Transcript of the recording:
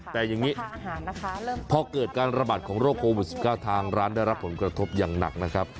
แต่อย่างนี้พอเกิดการระบาดของโรคโควิด๑๙ทางร้านได้รับผลกระทบอย่างหนักนะครับ